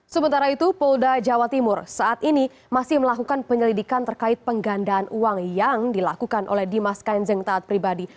sementara itu polda jawa timur saat ini masih melakukan penyelidikan terkait penggandaan uang yang dilakukan oleh dimas kanjeng taat pribadi